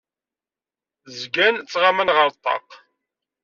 Zgan ttɣaman ar ṭṭaq.